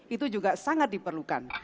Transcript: itu juga sangat diperlukan